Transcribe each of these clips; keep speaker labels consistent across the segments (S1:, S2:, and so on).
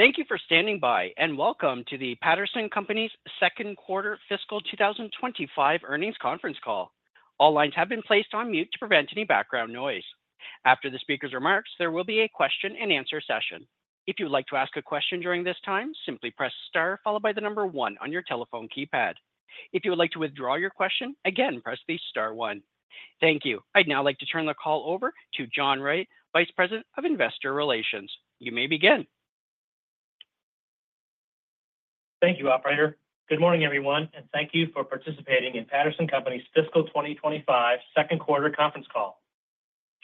S1: Thank you for standing by, and welcome to the Patterson Companies' second quarter fiscal 2025 earnings conference call. All lines have been placed on mute to prevent any background noise. After the speaker's remarks, there will be a question-and-answer session. If you would like to ask a question during this time, simply press star followed by the number one on your telephone keypad. If you would like to withdraw your question, again, press the star one. Thank you. I'd now like to turn the call over to John Wright, Vice President of Investor Relations. You may begin.
S2: Thank you, Operator. Good morning, everyone, and thank you for participating in Patterson Companies' fiscal 2025 second quarter conference call.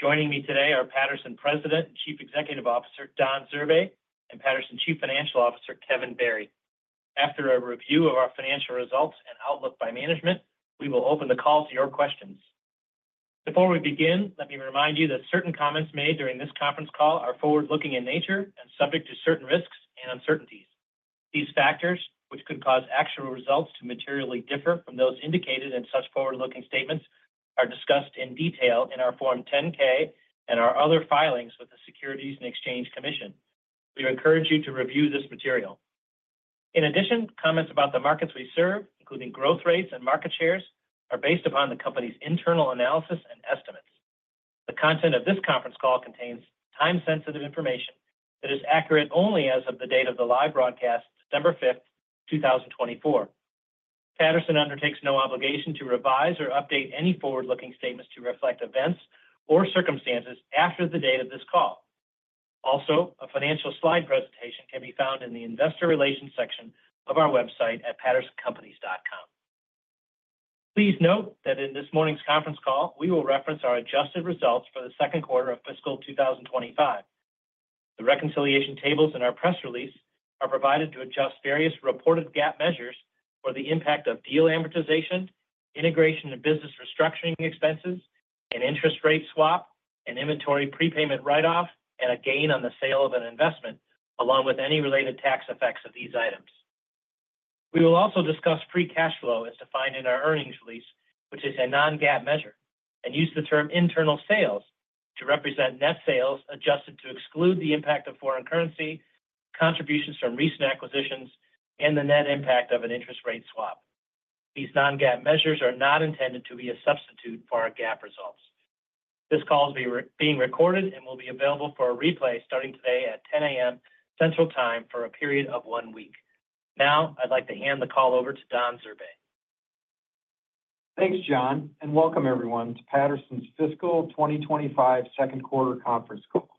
S2: Joining me today are Patterson Companies President and Chief Executive Officer Don Zurbay and Patterson Companies Chief Financial Officer Kevin Barry. After a review of our financial results and outlook by management, we will open the call to your questions. Before we begin, let me remind you that certain comments made during this conference call are forward-looking in nature and subject to certain risks and uncertainties. These factors, which could cause actual results to materially differ from those indicated in such forward-looking statements, are discussed in detail in our Form 10-K and our other filings with the Securities and Exchange Commission. We encourage you to review this material. In addition, comments about the markets we serve, including growth rates and market shares, are based upon the company's internal analysis and estimates. The content of this conference call contains time-sensitive information that is accurate only as of the date of the live broadcast, September 5th, 2024. Patterson undertakes no obligation to revise or update any forward-looking statements to reflect events or circumstances after the date of this call. Also, a financial slide presentation can be found in the Investor Relations section of our website at pattersoncompanies.com. Please note that in this morning's conference call, we will reference our adjusted results for the second quarter of fiscal 2025. The reconciliation tables in our press release are provided to adjust various reported GAAP measures for the impact of deal amortization, integration and business restructuring expenses, an interest rate swap, an inventory prepayment write-off, and a gain on the sale of an investment, along with any related tax effects of these items. We will also discuss free cash flow as defined in our earnings release, which is a non-GAAP measure, and use the term internal sales to represent net sales adjusted to exclude the impact of foreign currency, contributions from recent acquisitions, and the net impact of an interest rate swap. These non-GAAP measures are not intended to be a substitute for our GAAP results. This call is being recorded and will be available for a replay starting today at 10:00 A.M. Central Time for a period of one week. Now, I'd like to hand the call over to Don Zurbay.
S3: Thanks, John, and welcome, everyone, to Patterson's fiscal 2025 second quarter conference call.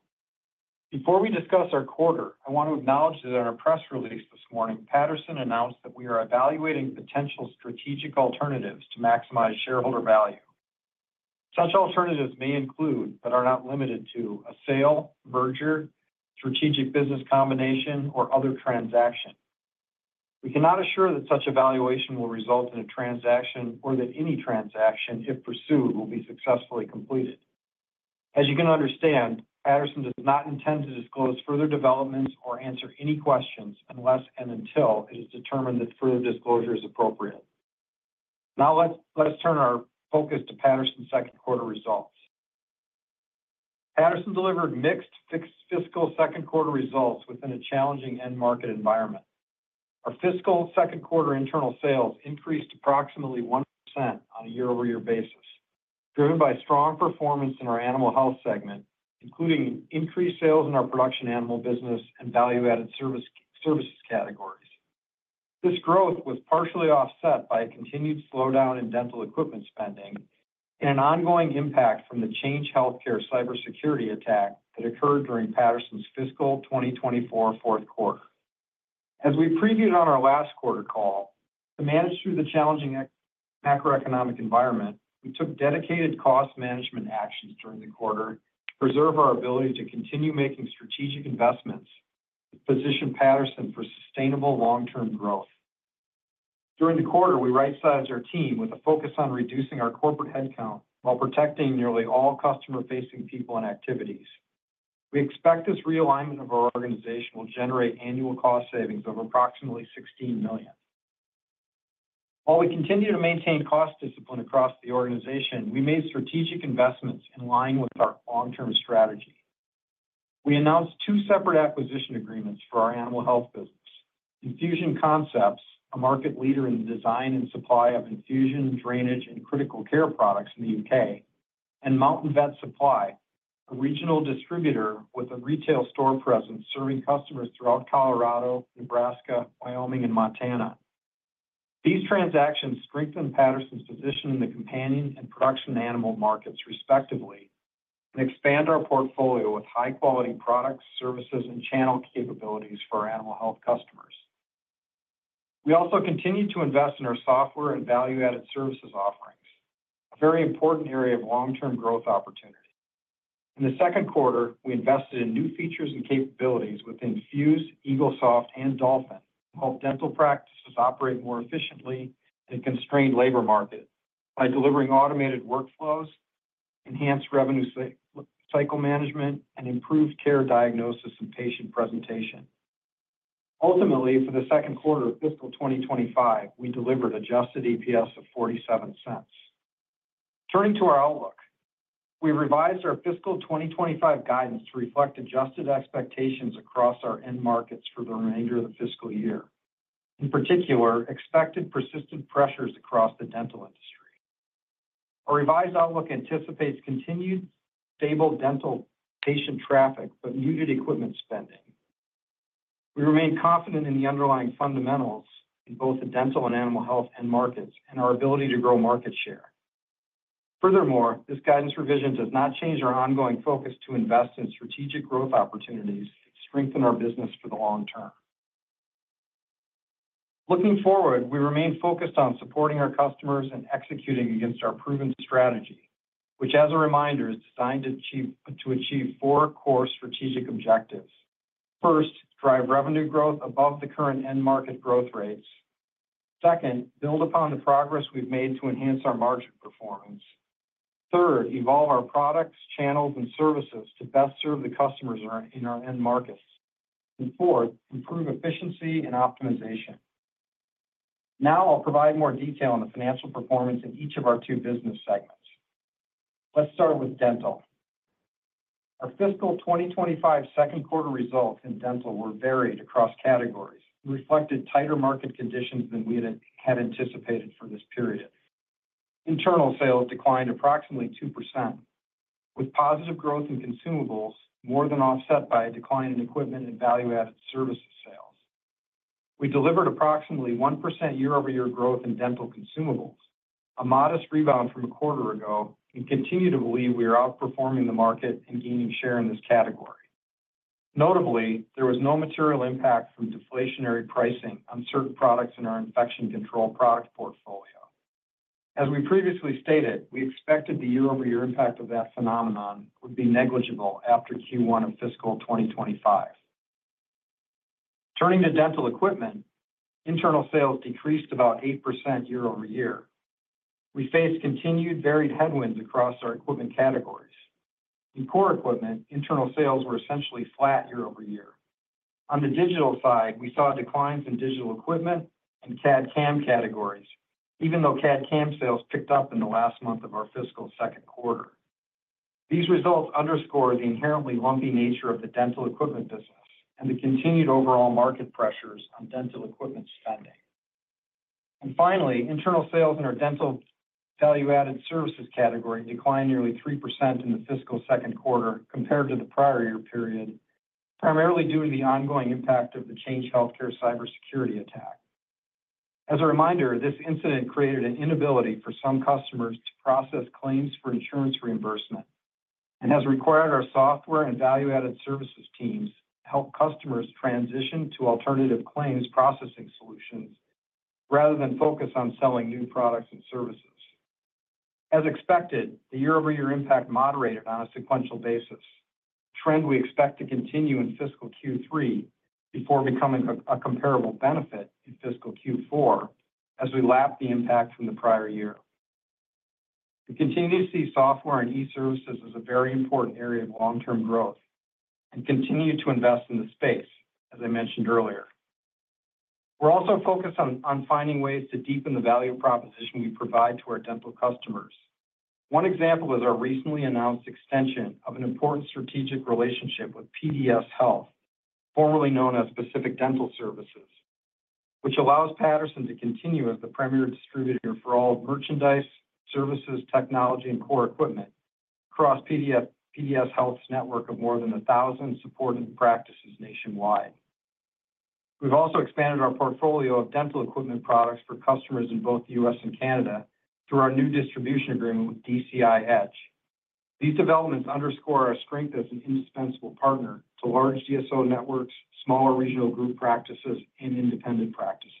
S3: Before we discuss our quarter, I want to acknowledge that in our press release this morning, Patterson announced that we are evaluating potential strategic alternatives to maximize shareholder value. Such alternatives may include, but are not limited to, a sale, merger, strategic business combination, or other transaction. We cannot assure that such evaluation will result in a transaction or that any transaction, if pursued, will be successfully completed. As you can understand, Patterson does not intend to disclose further developments or answer any questions unless and until it is determined that further disclosure is appropriate. Now, let's turn our focus to Patterson's second quarter results. Patterson delivered mixed fiscal second quarter results within a challenging end market environment. Our fiscal second quarter internal sales increased approximately 1% on a year-over-year basis, driven by strong performance in our animal health segment, including increased sales in our production animal business and value-added services categories. This growth was partially offset by a continued slowdown in dental equipment spending and an ongoing impact from the Change Healthcare cybersecurity attack that occurred during Patterson's fiscal 2024 fourth quarter. As we previewed on our last quarter call, to manage through the challenging macroeconomic environment, we took dedicated cost management actions during the quarter to preserve our ability to continue making strategic investments that position Patterson for sustainable long-term growth. During the quarter, we right-sized our team with a focus on reducing our corporate headcount while protecting nearly all customer-facing people and activities. We expect this realignment of our organization will generate annual cost savings of approximately $16 million. While we continue to maintain cost discipline across the organization, we made strategic investments in line with our long-term strategy. We announced two separate acquisition agreements for our animal health business: Infusion Concepts, a market leader in the design and supply of infusion, drainage, and critical care products in the UK, and Mountain Vet Supply, a regional distributor with a retail store presence serving customers throughout Colorado, Nebraska, Wyoming, and Montana. These transactions strengthen Patterson's position in the companion and production animal markets, respectively, and expand our portfolio with high-quality products, services, and channel capabilities for our animal health customers. We also continue to invest in our software and value-added services offerings, a very important area of long-term growth opportunity. In the second quarter, we invested in new features and capabilities with Infuse, Eaglesoft, and Dolphin to help dental practices operate more efficiently in a constrained labor market by delivering automated workflows, enhanced revenue cycle management, and improved care diagnosis and patient presentation. Ultimately, for the second quarter of fiscal 2025, we delivered adjusted EPS of $0.47. Turning to our outlook, we revised our fiscal 2025 guidance to reflect adjusted expectations across our end markets for the remainder of the fiscal year, in particular, expected persistent pressures across the dental industry. Our revised outlook anticipates continued stable dental patient traffic but muted equipment spending. We remain confident in the underlying fundamentals in both the dental and animal health end markets and our ability to grow market share. Furthermore, this guidance revision does not change our ongoing focus to invest in strategic growth opportunities to strengthen our business for the long term. Looking forward, we remain focused on supporting our customers and executing against our proven strategy, which, as a reminder, is designed to achieve four core strategic objectives. First, drive revenue growth above the current end market growth rates. Second, build upon the progress we've made to enhance our margin performance. Third, evolve our products, channels, and services to best serve the customers in our end markets. And fourth, improve efficiency and optimization. Now, I'll provide more detail on the financial performance in each of our two business segments. Let's start with dental. Our fiscal 2025 second quarter results in dental were varied across categories and reflected tighter market conditions than we had anticipated for this period. Internal sales declined approximately 2%, with positive growth in consumables more than offset by a decline in equipment and value-added services sales. We delivered approximately 1% year-over-year growth in dental consumables, a modest rebound from a quarter ago, and continue to believe we are outperforming the market and gaining share in this category. Notably, there was no material impact from deflationary pricing on certain products in our infection control product portfolio. As we previously stated, we expected the year-over-year impact of that phenomenon would be negligible after Q1 of fiscal 2025. Turning to dental equipment, internal sales decreased about 8% year-over-year. We faced continued varied headwinds across our equipment categories. In core equipment, internal sales were essentially flat year-over-year. On the digital side, we saw declines in digital equipment and CAD/CAM categories, even though CAD/CAM sales picked up in the last month of our fiscal second quarter. These results underscore the inherently lumpy nature of the dental equipment business and the continued overall market pressures on dental equipment spending. And finally, internal sales in our dental value-added services category declined nearly 3% in the fiscal second quarter compared to the prior year period, primarily due to the ongoing impact of the Change Healthcare cybersecurity attack. As a reminder, this incident created an inability for some customers to process claims for insurance reimbursement and has required our software and value-added services teams to help customers transition to alternative claims processing solutions rather than focus on selling new products and services. As expected, the year-over-year impact moderated on a sequential basis, a trend we expect to continue in fiscal Q3 before becoming a comparable benefit in fiscal Q4 as we lap the impact from the prior year. We continue to see software and e-services as a very important area of long-term growth and continue to invest in the space, as I mentioned earlier. We're also focused on finding ways to deepen the value proposition we provide to our dental customers. One example is our recently announced extension of an important strategic relationship with PDS Health, formerly known as Pacific Dental Services, which allows Patterson to continue as the premier distributor for all merchandise, services, technology, and core equipment across PDS Health's network of more than 1,000 supported practices nationwide. We've also expanded our portfolio of dental equipment products for customers in both the U.S. and Canada through our new distribution agreement with DCI Edge. These developments underscore our strength as an indispensable partner to large DSO networks, smaller regional group practices, and independent practices.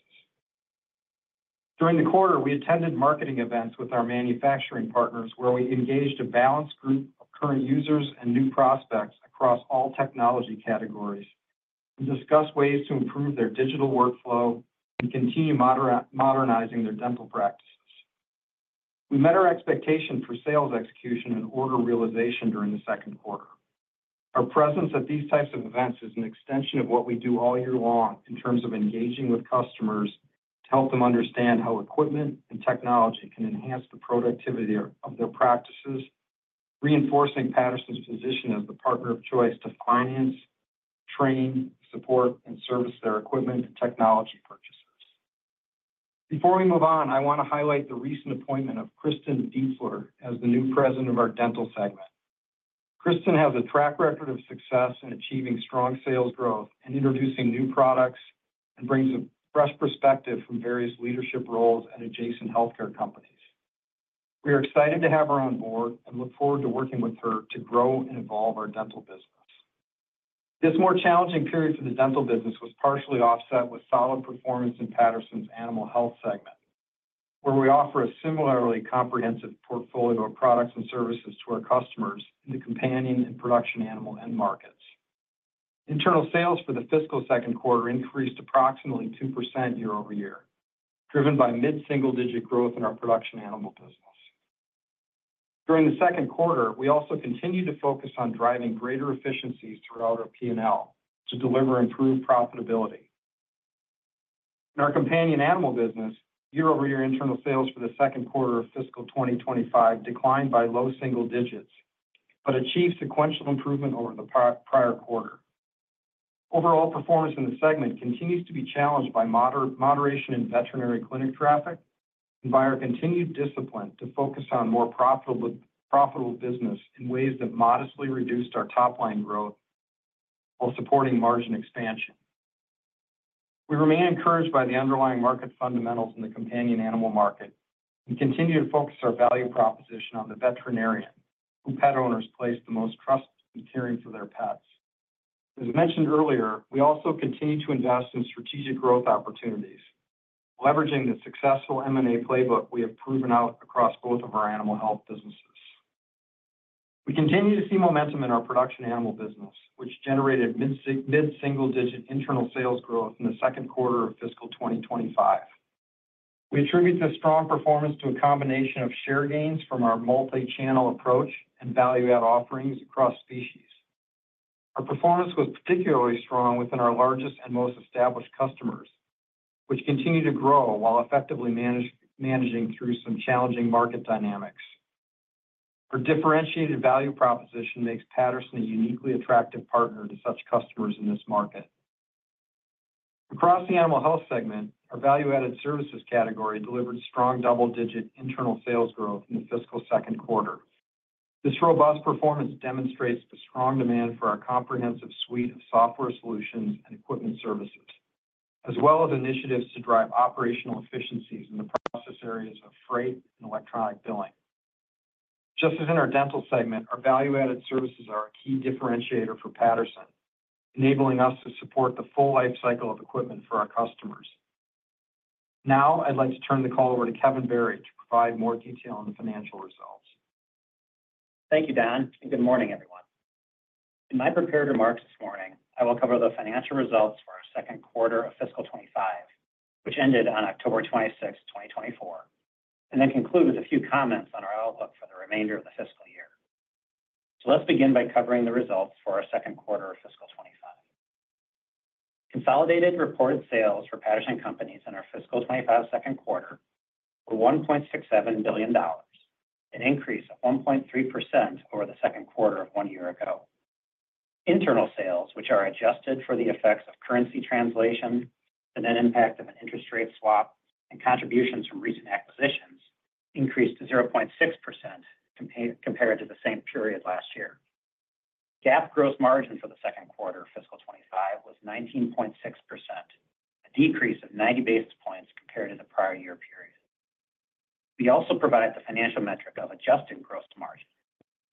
S3: During the quarter, we attended marketing events with our manufacturing partners where we engaged a balanced group of current users and new prospects across all technology categories and discussed ways to improve their digital workflow and continue modernizing their dental practices. We met our expectation for sales execution and order realization during the second quarter. Our presence at these types of events is an extension of what we do all year long in terms of engaging with customers to help them understand how equipment and technology can enhance the productivity of their practices, reinforcing Patterson's position as the partner of choice to finance, train, support, and service their equipment and technology purchases. Before we move on, I want to highlight the recent appointment of Kristen Dietzler as the new president of our dental segment. Kristen has a track record of success in achieving strong sales growth and introducing new products and brings a fresh perspective from various leadership roles at adjacent healthcare companies. We are excited to have her on board and look forward to working with her to grow and evolve our dental business. This more challenging period for the dental business was partially offset with solid performance in Patterson's animal health segment, where we offer a similarly comprehensive portfolio of products and services to our customers in the companion and production animal end markets. Internal sales for the fiscal second quarter increased approximately 2% year-over-year, driven by mid-single-digit growth in our production animal business. During the second quarter, we also continued to focus on driving greater efficiencies throughout our P&L to deliver improved profitability. In our companion animal business, year-over-year internal sales for the second quarter of fiscal 2025 declined by low single digits but achieved sequential improvement over the prior quarter. Overall performance in the segment continues to be challenged by moderation in veterinary clinic traffic and by our continued discipline to focus on more profitable business in ways that modestly reduced our top-line growth while supporting margin expansion. We remain encouraged by the underlying market fundamentals in the companion animal market and continue to focus our value proposition on the veterinarian, who pet owners place the most trust in caring for their pets. As mentioned earlier, we also continue to invest in strategic growth opportunities, leveraging the successful M&A playbook we have proven out across both of our animal health businesses. We continue to see momentum in our production animal business, which generated mid-single-digit internal sales growth in the second quarter of fiscal 2025. We attribute this strong performance to a combination of share gains from our multi-channel approach and value-add offerings across species. Our performance was particularly strong within our largest and most established customers, which continue to grow while effectively managing through some challenging market dynamics. Our differentiated value proposition makes Patterson a uniquely attractive partner to such customers in this market. Across the animal health segment, our value-added services category delivered strong double-digit internal sales growth in the fiscal second quarter. This robust performance demonstrates the strong demand for our comprehensive suite of software solutions and equipment services, as well as initiatives to drive operational efficiencies in the process areas of freight and electronic billing. Just as in our dental segment, our value-added services are a key differentiator for Patterson, enabling us to support the full lifecycle of equipment for our customers. Now, I'd like to turn the call over to Kevin Barry to provide more detail on the financial results.
S4: Thank you, Don, and good morning, everyone. In my prepared remarks this morning, I will cover the financial results for our second quarter of fiscal 25, which ended on October 26, 2024, and then conclude with a few comments on our outlook for the remainder of the fiscal year. So let's begin by covering the results for our second quarter of fiscal 25. Consolidated reported sales for Patterson Companies in our fiscal 25 second quarter were $1.67 billion, an increase of 1.3% over the second quarter of one year ago. Internal sales, which are adjusted for the effects of currency translation and the impact of an interest rate swap and contributions from recent acquisitions, increased 0.6% compared to the same period last year. GAAP gross margin for the second quarter of fiscal 2025 was 19.6%, a decrease of 90 basis points compared to the prior year period. We also provide the financial metric of adjusted gross margin,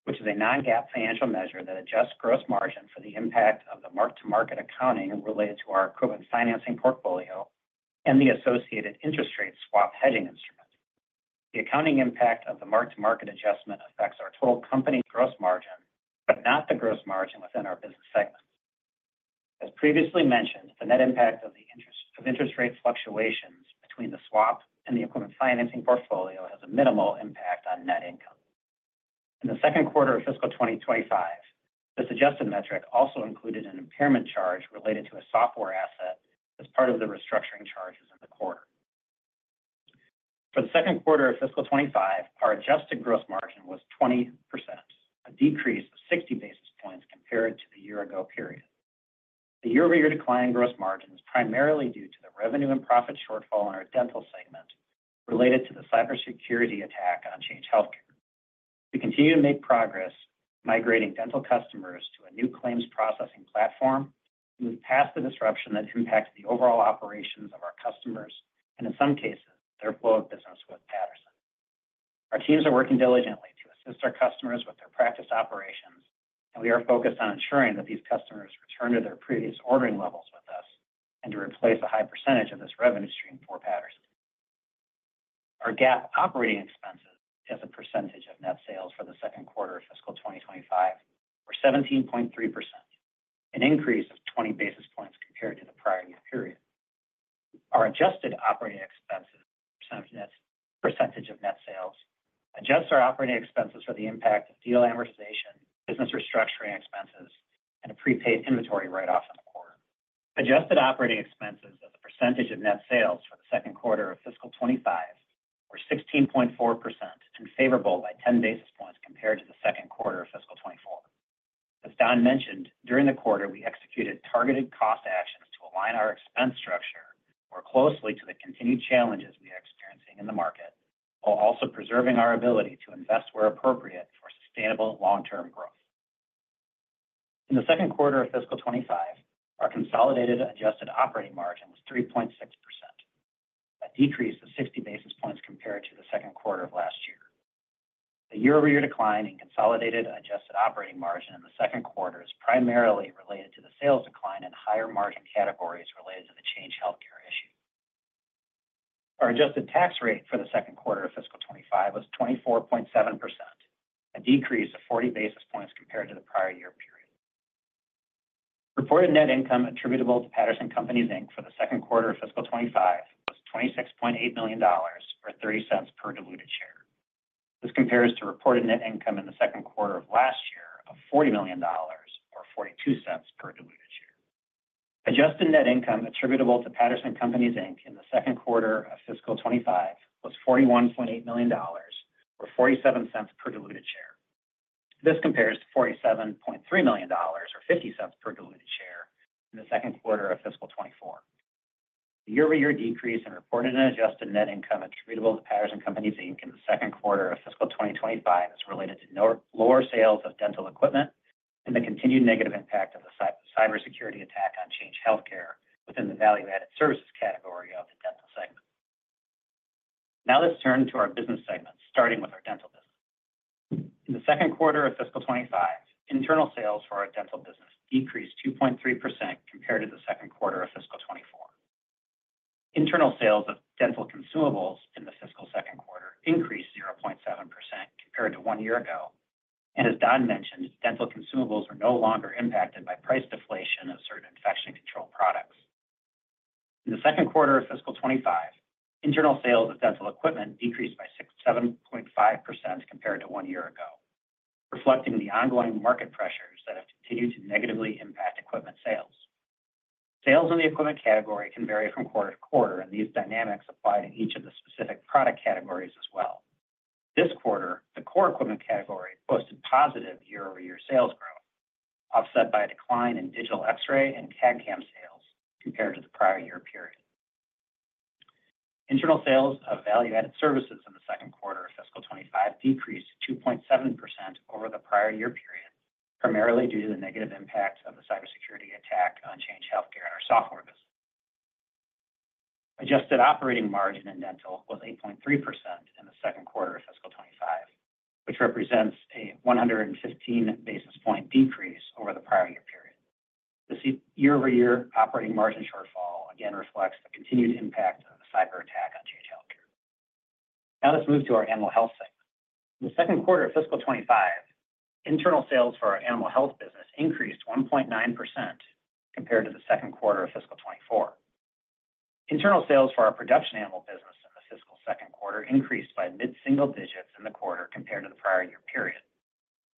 S4: which is a non-GAAP financial measure that adjusts gross margin for the impact of the mark-to-market accounting related to our equipment financing portfolio and the associated interest rate swap hedging instrument. The accounting impact of the mark-to-market adjustment affects our total company gross margin, but not the gross margin within our business segments. As previously mentioned, the net impact of the interest rate fluctuations between the swap and the equipment financing portfolio has a minimal impact on net income. In the second quarter of fiscal 2025, this adjusted metric also included an impairment charge related to a software asset as part of the restructuring charges in the quarter. For the second quarter of fiscal 2025, our adjusted gross margin was 20%, a decrease of 60 basis points compared to the year-ago period. The year-over-year decline in gross margin is primarily due to the revenue and profit shortfall in our dental segment related to the cybersecurity attack on Change Healthcare. We continue to make progress migrating dental customers to a new claims processing platform, move past the disruption that impacts the overall operations of our customers, and in some cases, their flow of business with Patterson. Our teams are working diligently to assist our customers with their practice operations, and we are focused on ensuring that these customers return to their previous ordering levels with us and to replace a high percentage of this revenue stream for Patterson. Our GAAP operating expenses as a percentage of net sales for the second quarter of fiscal 2025 were 17.3%, an increase of 20 basis points compared to the prior year period. Our adjusted operating expenses percentage of net sales adjusts our operating expenses for the impact of deal amortization, business restructuring expenses, and a prepaid inventory write-off in the quarter. Adjusted operating expenses as a percentage of net sales for the second quarter of fiscal 2025 were 16.4% and favorable by 10 basis points compared to the second quarter of fiscal 2024. As Don mentioned, during the quarter, we executed targeted cost actions to align our expense structure more closely to the continued challenges we are experiencing in the market, while also preserving our ability to invest where appropriate for sustainable long-term growth. In the second quarter of fiscal 2025, our consolidated adjusted operating margin was 3.6%, a decrease of 60 basis points compared to the second quarter of last year. The year-over-year decline in consolidated adjusted operating margin in the second quarter is primarily related to the sales decline in higher margin categories related to the Change Healthcare issue. Our adjusted tax rate for the second quarter of fiscal 2025 was 24.7%, a decrease of 40 basis points compared to the prior year period. Reported net income attributable to Patterson Companies, Inc. for the second quarter of fiscal 2025 was $26.8 million or $0.30 per diluted share. This compares to reported net income in the second quarter of last year of $40 million or $0.42 per diluted share. Adjusted net income attributable to Patterson Companies, Inc. in the second quarter of fiscal 2025 was $41.8 million or $0.47 per diluted share. This compares to $47.3 million or $0.50 per diluted share in the second quarter of fiscal 2024. The year-over-year decrease in reported and adjusted net income attributable to Patterson Companies, Inc. in the second quarter of fiscal 2025 is related to lower sales of dental equipment and the continued negative impact of the cybersecurity attack on Change Healthcare within the value-added services category of the dental segment. Now let's turn to our business segment, starting with our dental business. In the second quarter of fiscal 2025, internal sales for our dental business decreased 2.3% compared to the second quarter of fiscal 2024. Internal sales of dental consumables in the fiscal second quarter increased 0.7% compared to one year ago, and as Don mentioned, dental consumables were no longer impacted by price deflation of certain infection control products. In the second quarter of fiscal 25, internal sales of dental equipment decreased by 7.5% compared to one year ago, reflecting the ongoing market pressures that have continued to negatively impact equipment sales. Sales in the equipment category can vary from quarter to quarter, and these dynamics apply to each of the specific product categories as well. This quarter, the core equipment category posted positive year-over-year sales growth, offset by a decline in digital X-ray and CAD/CAM sales compared to the prior year period. Internal sales of value-added services in the second quarter of fiscal 25 decreased 2.7% over the prior year period, primarily due to the negative impact of the cybersecurity attack on Change Healthcare and our software business. Adjusted operating margin in dental was 8.3% in the second quarter of fiscal 25, which represents a 115 basis point decrease over the prior year period. This year-over-year operating margin shortfall again reflects the continued impact of the cyber attack on Change Healthcare. Now let's move to our animal health segment. In the second quarter of fiscal 25, internal sales for our animal health business increased 1.9% compared to the second quarter of fiscal 24. Internal sales for our production animal business in the fiscal second quarter increased by mid-single digits in the quarter compared to the prior year period.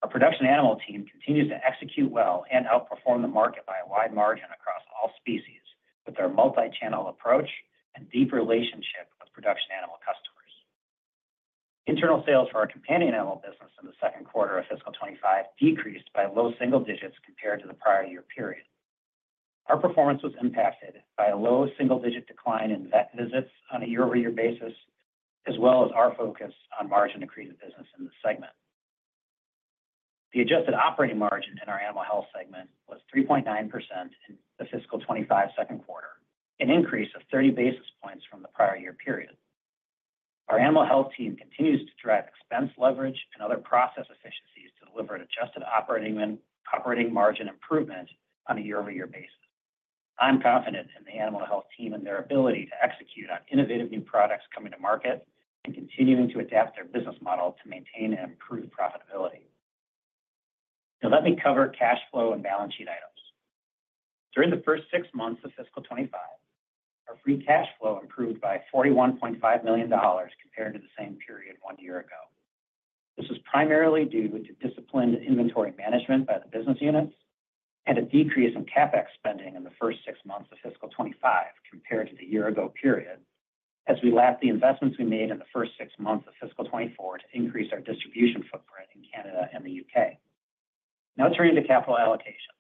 S4: Our production animal team continues to execute well and outperform the market by a wide margin across all species with their multi-channel approach and deep relationship with production animal customers. Internal sales for our companion animal business in the second quarter of fiscal 2025 decreased by low single digits compared to the prior year period. Our performance was impacted by a low single-digit decline in vet visits on a year-over-year basis, as well as our focus on margin-accretive business in the segment. The adjusted operating margin in our animal health segment was 3.9% in the fiscal 2025 second quarter, an increase of 30 basis points from the prior year period. Our animal health team continues to drive expense leverage and other process efficiencies to deliver an adjusted operating margin improvement on a year-over-year basis. I'm confident in the animal health team and their ability to execute on innovative new products coming to market and continuing to adapt their business model to maintain and improve profitability. Now let me cover cash flow and balance sheet items. During the first six months of fiscal 2025, our free cash flow improved by $41.5 million compared to the same period one year ago. This was primarily due to disciplined inventory management by the business units and a decrease in CapEx spending in the first six months of fiscal 2025 compared to the year-ago period, as we lapped the investments we made in the first six months of fiscal 2024 to increase our distribution footprint in Canada and the U.K. Now turning to capital allocation.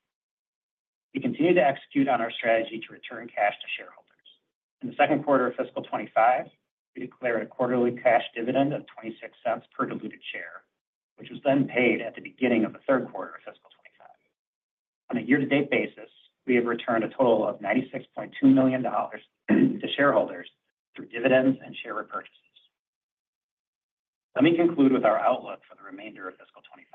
S4: We continue to execute on our strategy to return cash to shareholders. In the second quarter of fiscal 25, we declared a quarterly cash dividend of $0.26 per diluted share, which was then paid at the beginning of the third quarter of fiscal 25. On a year-to-date basis, we have returned a total of $96.2 million to shareholders through dividends and share repurchases. Let me conclude with our outlook for the remainder of fiscal 25.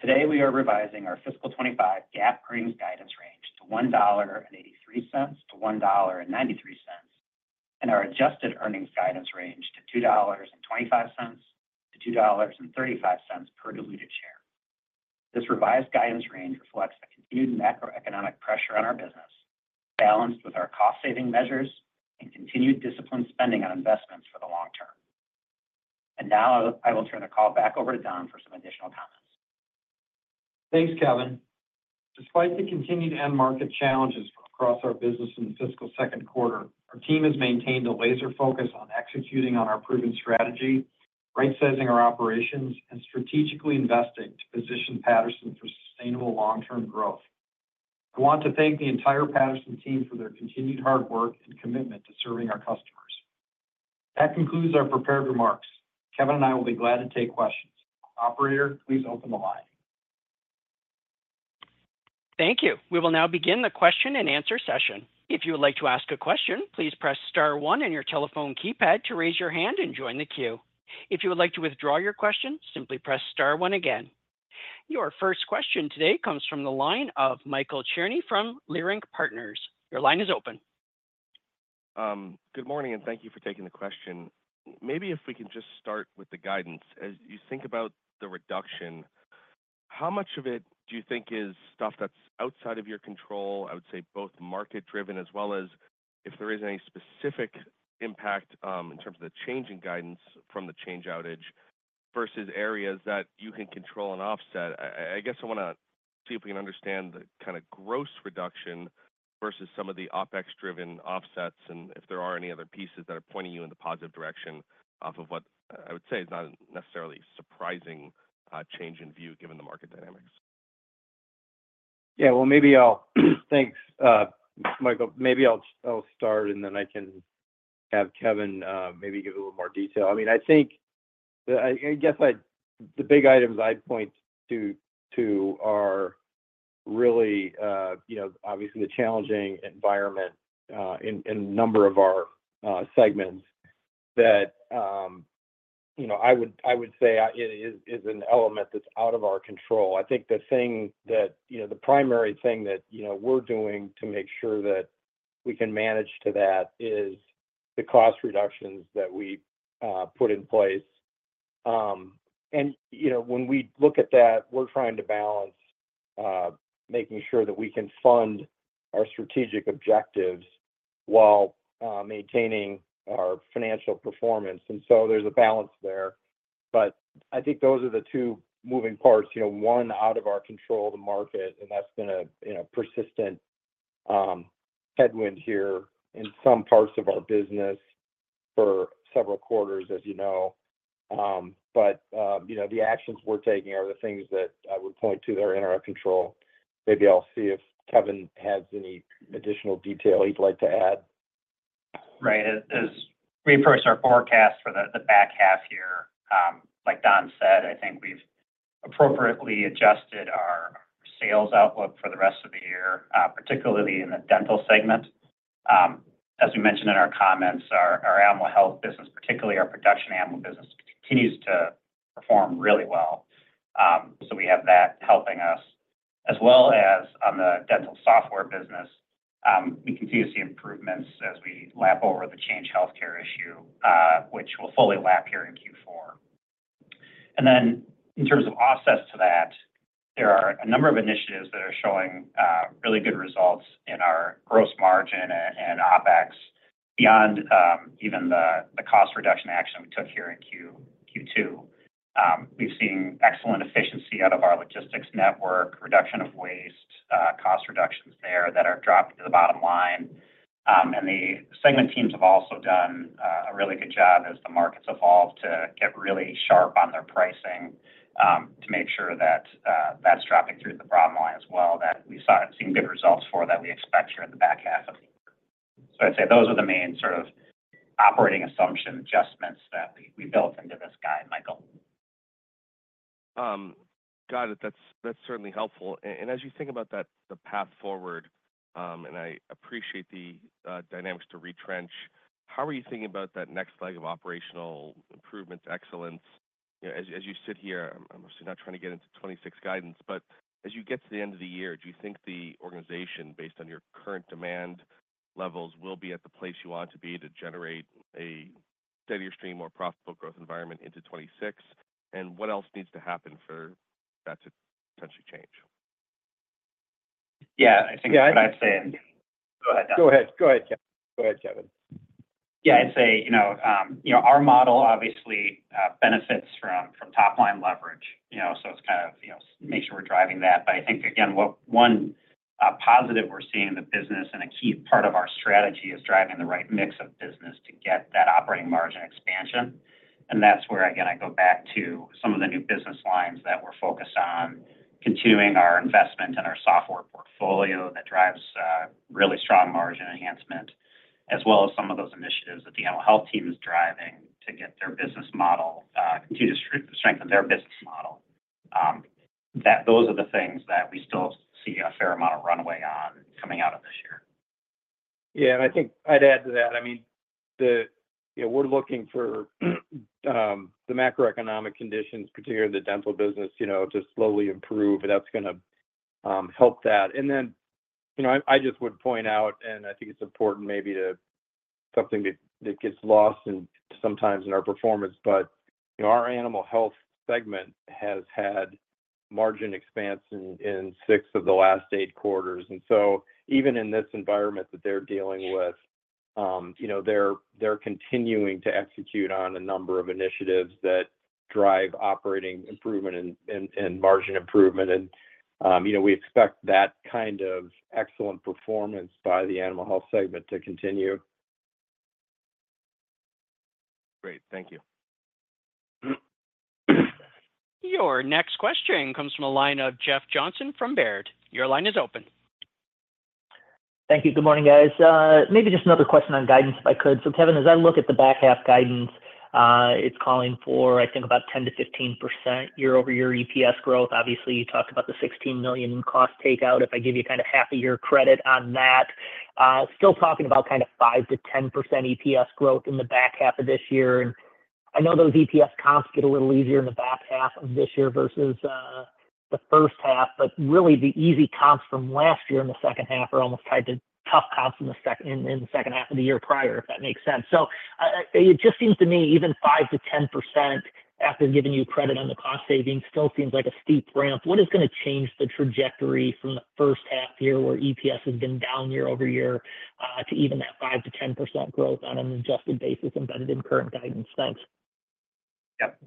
S4: Today, we are revising our fiscal 25 GAAP earnings guidance range to $1.83-$1.93 and our adjusted earnings guidance range to $2.25-$2.35 per diluted share. This revised guidance range reflects the continued macroeconomic pressure on our business, balanced with our cost-saving measures and continued disciplined spending on investments for the long term. Now I will turn the call back over to Don for some additional comments.
S3: Thanks, Kevin. Despite the continued end market challenges across our business in the fiscal second quarter, our team has maintained a laser focus on executing on our proven strategy, rightsizing our operations, and strategically investing to position Patterson for sustainable long-term growth. I want to thank the entire Patterson team for their continued hard work and commitment to serving our customers. That concludes our prepared remarks. Kevin and I will be glad to take questions. Operator, please open the line.
S1: Thank you. We will now begin the question and answer session. If you would like to ask a question, please press star one in your telephone keypad to raise your hand and join the queue. If you would like to withdraw your question, simply press star one again. Your first question today comes from the line of Michael Cherny from Leerink Partners. Your line is open.
S5: Good morning, and thank you for taking the question. Maybe if we can just start with the guidance. As you think about the reduction, how much of it do you think is stuff that's outside of your control? I would say both market-driven as well as if there is any specific impact in terms of the change in guidance from the Change outage versus areas that you can control and offset. I guess I want to see if we can understand the kind of gross reduction versus some of the OpEx-driven offsets and if there are any other pieces that are pointing you in the positive direction off of what I would say is not necessarily surprising change in view given the market dynamics.
S3: Yeah, well, maybe I'll take that, Michael. Maybe I'll start and then I can have Kevin maybe give a little more detail. I mean, I think I guess the big items I'd point to are really, obviously, the challenging environment in a number of our segments that I would say is an element that's out of our control. I think the thing that the primary thing that we're doing to make sure that we can manage to that is the cost reductions that we put in place. And when we look at that, we're trying to balance making sure that we can fund our strategic objectives while maintaining our financial performance. And so there's a balance there. But I think those are the two moving parts. One out of our control of the market, and that's been a persistent headwind here in some parts of our business for several quarters, as you know. But the actions we're taking are the things that I would point to that are in our control. Maybe I'll see if Kevin has any additional detail he'd like to add.
S4: Right. As we approach our forecast for the back half year, like Don said, I think we've appropriately adjusted our sales outlook for the rest of the year, particularly in the dental segment. As we mentioned in our comments, our animal health business, particularly our production animal business, continues to perform really well. So we have that helping us, as well as on the dental software business. We continue to see improvements as we lap over the Change Healthcare issue, which will fully lap here in Q4. And then in terms of offsets to that, there are a number of initiatives that are showing really good results in our gross margin and OpEx beyond even the cost reduction action we took here in Q2. We've seen excellent efficiency out of our logistics network, reduction of waste, cost reductions there that are dropping to the bottom line. And the segment teams have also done a really good job as the markets evolve to get really sharp on their pricing to make sure that that's dropping through the bottom line as well that we've seen good results for that we expect here in the back half of the year. So I'd say those are the main sort of operating assumption adjustments that we built into this guide, Michael.
S5: Got it. That's certainly helpful. And as you think about the path forward, and I appreciate the dynamics to retrench, how are you thinking about that next leg of operational improvements, excellence? As you sit here, I'm obviously not trying to get into 2026 guidance, but as you get to the end of the year, do you think the organization, based on your current demand levels, will be at the place you want to be to generate a steadier, streamier profitable growth environment into 2026? And what else needs to happen for that to potentially change?
S4: Yeah, I think I'd say go ahead, Don.
S3: Go ahead. Go ahead, Kevin.
S4: Go ahead, Kevin. Yeah, I'd say our model obviously benefits from top-line leverage. So it's kind of make sure we're driving that. But I think, again, one positive we're seeing in the business and a key part of our strategy is driving the right mix of business to get that operating margin expansion. And that's where, again, I go back to some of the new business lines that we're focused on, continuing our investment in our software portfolio that drives really strong margin enhancement, as well as some of those initiatives that the animal health team is driving to get their business model continue to strengthen their business model. Those are the things that we still see a fair amount of runway on coming out of this year.
S3: Yeah, and I think I'd add to that. I mean, we're looking for the macroeconomic conditions, particularly the dental business, to slowly improve. That's going to help that. And then I just would point out, and I think it's important maybe to something that gets lost sometimes in our performance, but our animal health segment has had margin expansion in six of the last eight quarters. And so even in this environment that they're dealing with, they're continuing to execute on a number of initiatives that drive operating improvement and margin improvement. And we expect that kind of excellent performance by the animal health segment to continue.
S5: Great. Thank you.
S1: Your next question comes from a line of Jeff Johnson from Baird. Your line is open.
S6: Thank you. Good morning, guys. Maybe just another question on guidance if I could. So Kevin, as I look at the back half guidance, it's calling for, I think, about 10%-15% year-over-year EPS growth. Obviously, you talked about the $16 million in cost takeout. If I give you kind of half a year credit on that, still talking about kind of 5%-10% EPS growth in the back half of this year. I know those EPS comps get a little easier in the back half of this year versus the first half, but really the easy comps from last year in the second half are almost tied to tough comps in the second half of the year prior, if that makes sense. It just seems to me even 5%-10% after giving you credit on the cost savings still seems like a steep ramp. What is going to change the trajectory from the first half year where EPS has been down year-over-year to even that 5%-10% growth on an adjusted basis embedded in current guidance? Thanks.
S3: Yep.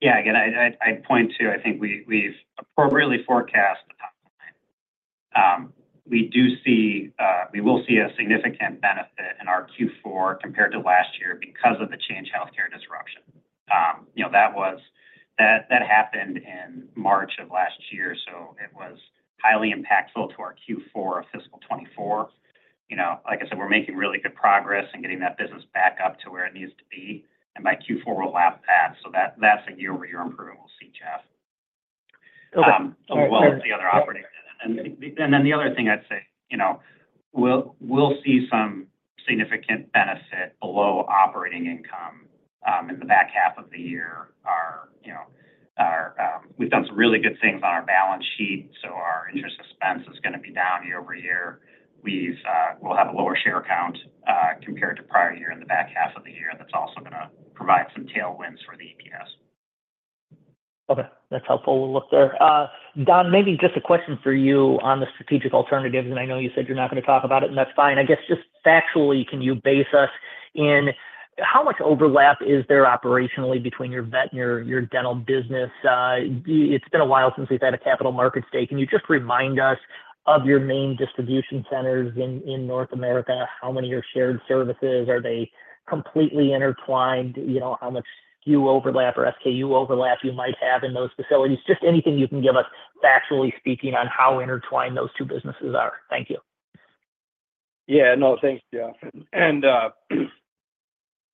S4: Yeah, again, I'd point to I think we've appropriately forecast the top line. We will see a significant benefit in our Q4 compared to last year because of the Change Healthcare disruption. That happened in March of last year, so it was highly impactful to our Q4 of fiscal 2024. Like I said, we're making really good progress and getting that business back up to where it needs to be. And by Q4, we'll lap that. So that's a year-over-year improvement we'll see, Jeff. Well, that's the other operating guidance. And then the other thing I'd say, we'll see some significant benefit below operating income in the back half of the year. We've done some really good things on our balance sheet, so our interest expense is going to be down year-over-year. We'll have a lower share count compared to prior year in the back half of the year. That's also going to provide some tailwinds for the EPS. Okay.
S6: That's helpful. We'll look there. Don, maybe just a question for you on the strategic alternatives. I know you said you're not going to talk about it, and that's fine. I guess just factually, can you brief us on how much overlap is there operationally between your vet and your dental business? It's been a while since we've had a capital markets day. Can you just remind us of your main distribution centers in North America? How many are shared services? Are they completely intertwined? How much SKU overlap or SKU overlap you might have in those facilities? Just anything you can give us factually speaking on how intertwined those two businesses are. Thank you.
S3: Yeah. No, thanks, Jeff. And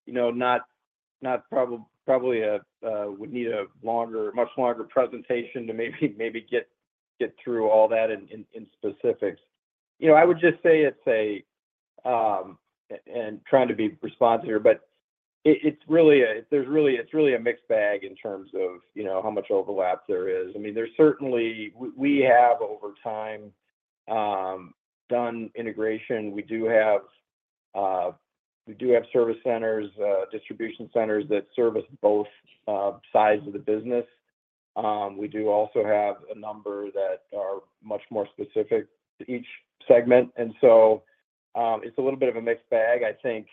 S3: we'd probably need a much longer presentation to maybe get through all that in specifics. I would just say it's a, and trying to be responsive here, but it's really a mixed bag in terms of how much overlap there is. I mean, we have over time done integration. We do have service centers, distribution centers that service both sides of the business. We do also have a number that are much more specific to each segment, and so it's a little bit of a mixed bag. I think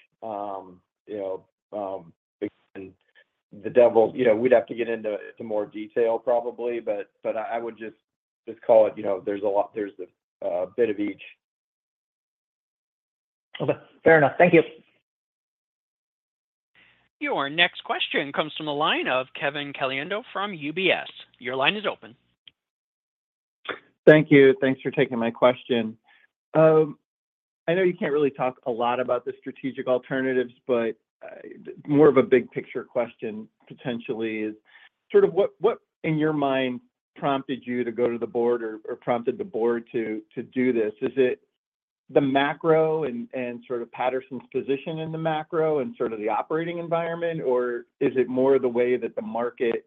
S3: the devil, we'd have to get into more detail probably, but I would just call it there's a bit of each.
S6: Okay. Fair enough.
S1: Thank you. Your next question comes from a line of Kevin Caliendo from UBS. Your line is open.
S7: Thank you. Thanks for taking my question. I know you can't really talk a lot about the strategic alternatives, but more of a big picture question potentially is sort of what, in your mind, prompted you to go to the board or prompted the board to do this? Is it the macro and sort of Patterson's position in the macro and sort of the operating environment, or is it more the way that the market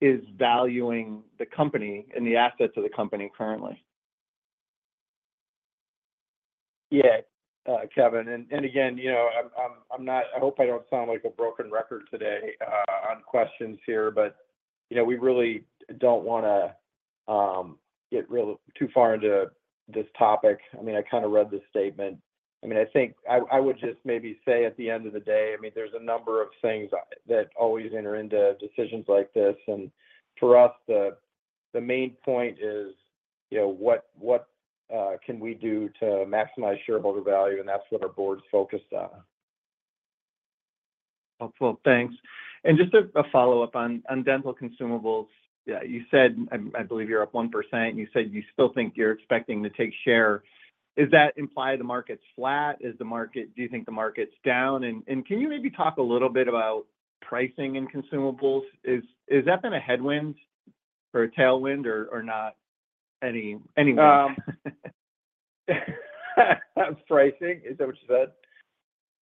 S7: is valuing the company and the assets of the company currently?
S3: Yeah, Kevin. And again, I hope I don't sound like a broken record today on questions here, but we really don't want to get too far into this topic. I mean, I kind of read the statement. I mean, I think I would just maybe say at the end of the day, I mean, there's a number of things that always enter into decisions like this. And for us, the main point is what can we do to maximize shareholder value, and that's what our board's focused on. Helpful.
S7: Thanks. And just a follow-up on dental consumables. Yeah, you said, I believe you're up 1%. You said you still think you're expecting to take share. Is that imply the market's flat? Do you think the market's down? And can you maybe talk a little bit about pricing and consumables? Is that been a headwind or a tailwind or not anyway? Pricing? Is that what you said?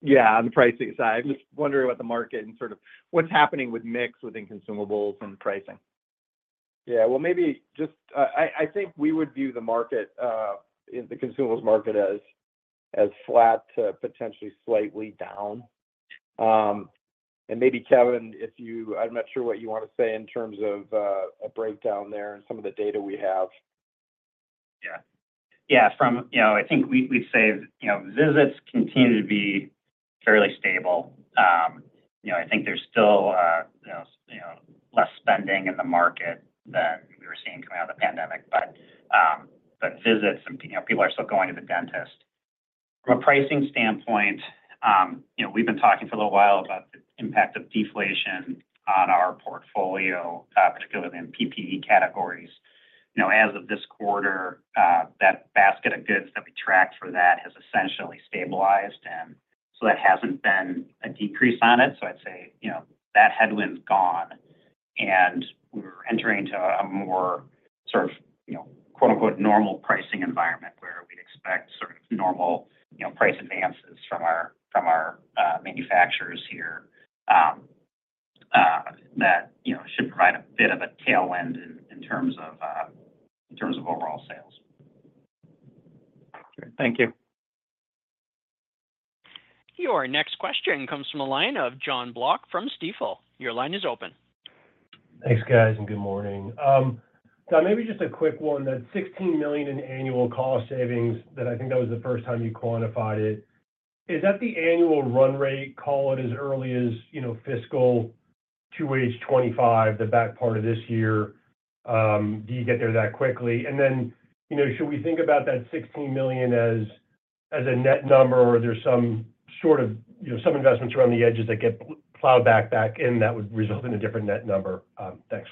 S3: Yeah, on the pricing side. I'm just wondering about the market and sort of what's happening with mix within consumables and pricing. Yeah. Well, maybe just I think we would view the consumables market as flat to potentially slightly down. And maybe, Kevin, if you I'm not sure what you want to say in terms of a breakdown there and some of the data we have. Yeah.
S4: Yeah. I think we'd say visits continue to be fairly stable. I think there's still less spending in the market than we were seeing coming out of the pandemic, but visits and people are still going to the dentist. From a pricing standpoint, we've been talking for a little while about the impact of deflation on our portfolio, particularly in PPE categories. As of this quarter, that basket of goods that we tracked for that has essentially stabilized. And so that hasn't been a decrease on it. So I'd say that headwind's gone. And we're entering into a more sort of "normal" pricing environment where we'd expect sort of normal price advances from our manufacturers here that should provide a bit of a tailwind in terms of overall sales.
S1: Thank you. Your next question comes from a line of Jon Block from Stifel. Your line is open.
S8: Thanks, guys, and good morning. Don, maybe just a quick one. That $16 million in annual cost savings, that I think was the first time you quantified it. Is that the annual run rate? Can it be as early as fiscal 2025, the back part of this year? Do you get there that quickly? And then should we think about that $16 million as a net number, or are there some sort of investments around the edges that get plowed back in that would result in a different net number? Thanks.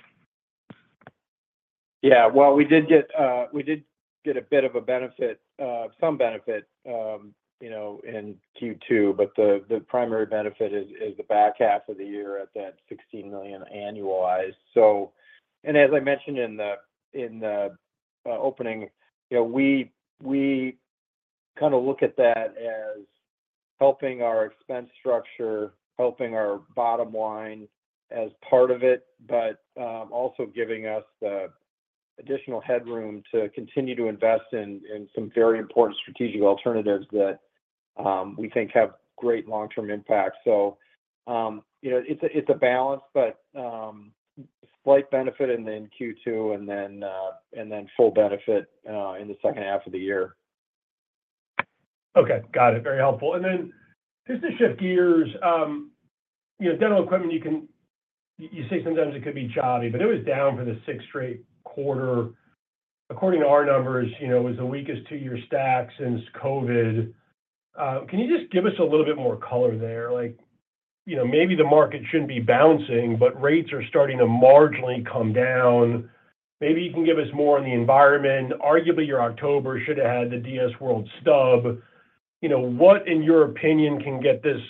S3: Yeah. Well, we did get a bit of a benefit, some benefit in Q2, but the primary benefit is the back half of the year at that $16 million annualized. And as I mentioned in the opening, we kind of look at that as helping our expense structure, helping our bottom line as part of it, but also giving us the additional headroom to continue to invest in some very important strategic alternatives that we think have great long-term impact. So it's a balance, but slight benefit in Q2 and then full benefit in the second half of the year.
S8: Okay. Got it. Very helpful. And then just to shift gears, dental equipment, you say sometimes it could be choppy, but it was down for the sixth straight quarter. According to our numbers, it was the weakest two-year stacks since COVID. Can you just give us a little bit more color there? Maybe the market shouldn't be bouncing, but rates are starting to marginally come down. Maybe you can give us more on the environment. Arguably, your October should have had the DS World stub. What, in your opinion, can get this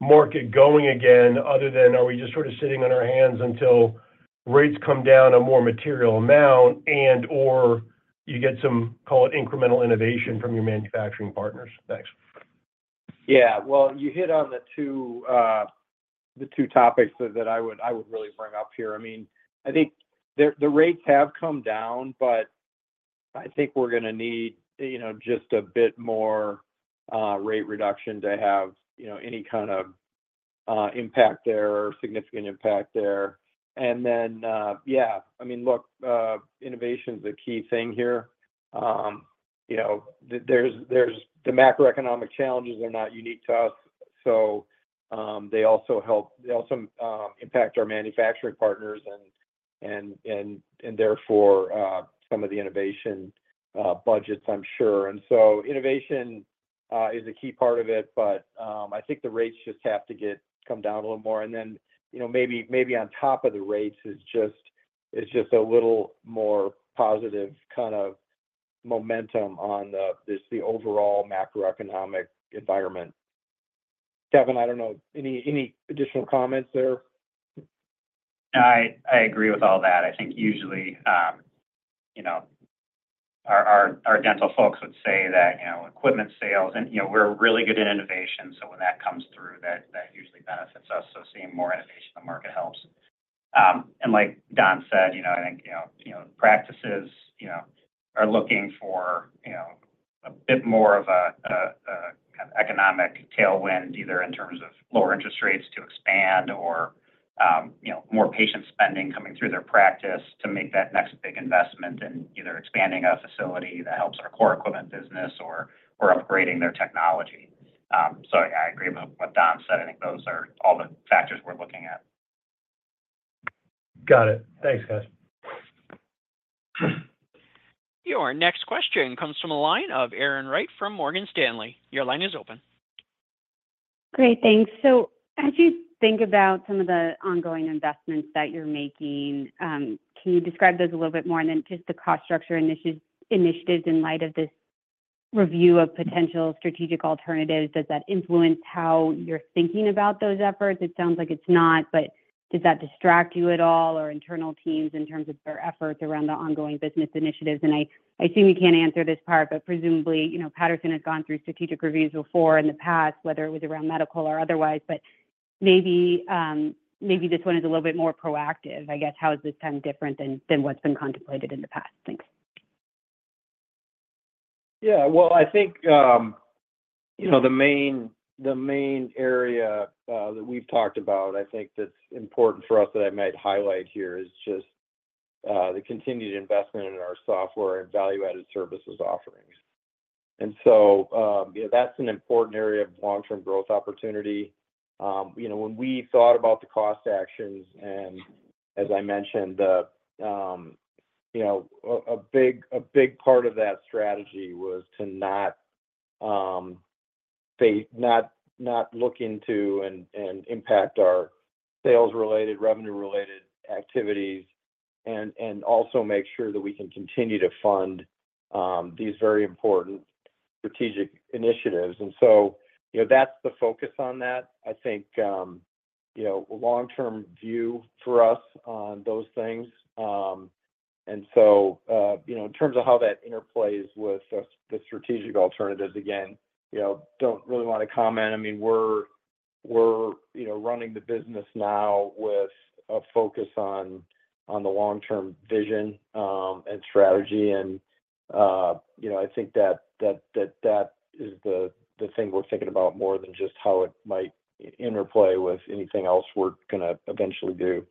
S8: market going again other than are we just sort of sitting on our hands until rates come down a more material amount and/or you get some, call it, incremental innovation from your manufacturing partners? Thanks.
S3: Yeah. Well, you hit on the two topics that I would really bring up here. I mean, I think the rates have come down, but I think we're going to need just a bit more rate reduction to have any kind of impact there or significant impact there. And then, yeah, I mean, look, innovation is a key thing here. The macroeconomic challenges are not unique to us, so they also impact our manufacturing partners and therefore some of the innovation budgets, I'm sure. Innovation is a key part of it, but I think the rates just have to come down a little more. And then maybe on top of the rates is just a little more positive kind of momentum on the overall macroeconomic environment. Kevin, I don't know. Any additional comments there?
S4: I agree with all that. I think usually our dental folks would say that equipment sales and we're really good in innovation, so when that comes through, that usually benefits us. So seeing more innovation in the market helps. And like Don said, I think practices are looking for a bit more of a kind of economic tailwind either in terms of lower interest rates to expand or more patient spending coming through their practice to make that next big investment in either expanding a facility that helps our core equipment business or upgrading their technology. So yeah, I agree with what Don said. I think those are all the factors we're looking at.
S8: Got it. Thanks, guys.
S1: Your next question comes from a line of Erin Wright from Morgan Stanley. Your line is open.
S9: Great. Thanks. So as you think about some of the ongoing investments that you're making, can you describe those a little bit more? And then just the cost structure initiatives in light of this review of potential strategic alternatives, does that influence how you're thinking about those efforts? It sounds like it's not, but does that distract you at all or internal teams in terms of their efforts around the ongoing business initiatives? And I assume you can't answer this part, but presumably Patterson has gone through strategic reviews before in the past, whether it was around medical or otherwise, but maybe this one is a little bit more proactive. I guess how is this time different than what's been contemplated in the past? Thanks.
S3: Yeah, well, I think the main area that we've talked about, I think that's important for us that I might highlight here is just the continued investment in our software and value-added services offerings, and so that's an important area of long-term growth opportunity. When we thought about the cost actions and, as I mentioned, a big part of that strategy was to not look into and impact our sales-related, revenue-related activities and also make sure that we can continue to fund these very important strategic initiatives, and so that's the focus on that. I think a long-term view for us on those things, and so in terms of how that interplays with the strategic alternatives, again, don't really want to comment. I mean, we're running the business now with a focus on the long-term vision and strategy. And I think that that is the thing we're thinking about more than just how it might interplay with anything else we're going to eventually do.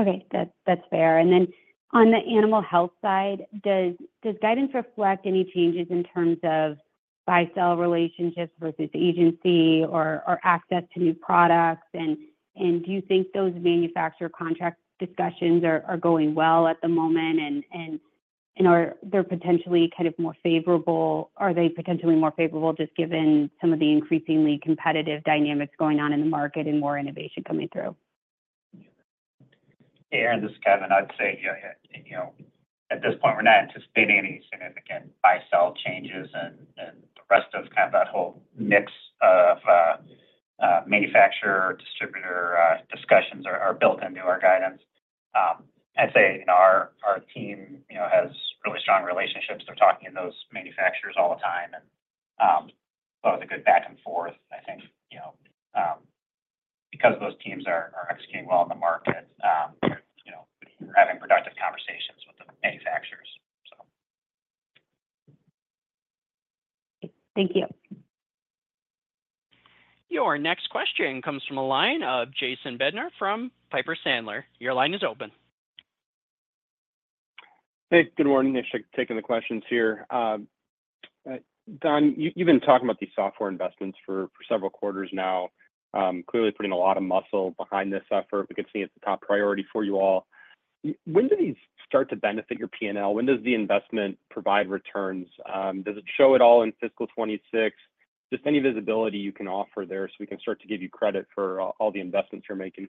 S9: Okay. That's fair. And then on the animal health side, does guidance reflect any changes in terms of buy-sell relationships versus agency or access to new products? And do you think those manufacturer contract discussions are going well at the moment and are they potentially kind of more favorable? Are they potentially more favorable just given some of the increasingly competitive dynamics going on in the market and more innovation coming through?
S4: Erin, this is Kevin. I'd say at this point, we're not anticipating any significant buy-sell changes, and the rest of kind of that whole mix of manufacturer-distributor discussions are built into our guidance. I'd say our team has really strong relationships. They're talking to those manufacturers all the time. And so it's a good back and forth, I think, because those teams are executing well in the market. We're having productive conversations with the manufacturers, so.
S9: Thank you.
S1: Your next question comes from a line of Jason Bednar from Piper Sandler. Your line is open.
S10: Hey, good morning. Thanks for taking the questions here. Don, you've been talking about these software investments for several quarters now, clearly putting a lot of muscle behind this effort. We could see it's a top priority for you all. When do these start to benefit your P&L? When does the investment provide returns? Does it show it all in fiscal 2026? Just any visibility you can offer there so we can start to give you credit for all the investments you're making.